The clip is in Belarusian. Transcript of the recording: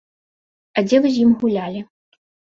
А дзе вы з ім гулялі?